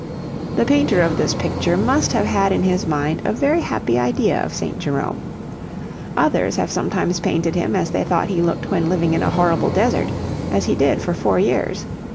The painter of this picture, must have had in his mind a very happy idea of St. Jerome. Others have sometimes painted him as they thought he looked when living in a horrible desert, as he did for four years.